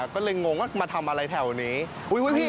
ก็เลยงงว่ามาทำอะไรแถวนี้